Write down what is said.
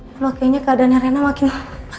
wah kayaknya keadaannya rena makin gawat ini